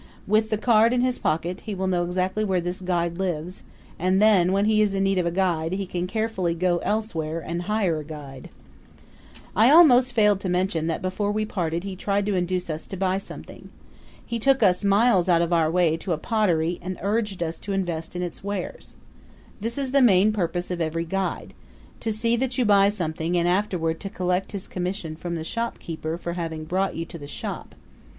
With the card in his pocket, he will know exactly where this guide lives; and then, when he is in need of a guide he can carefully go elsewhere and hire a guide. I almost failed to mention that before we parted he tried to induce us to buy something. He took us miles out of our way to a pottery and urged us to invest in its wares. This is the main purpose of every guide: to see that you buy something and afterward to collect his commission from the shopkeeper for having brought you to the shop.